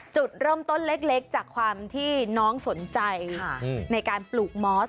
จุดเริ่มต้นเล็กจากความที่น้องสนใจในการปลูกมอส